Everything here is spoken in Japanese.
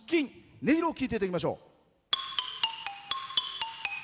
音色を聴いていただきましょう。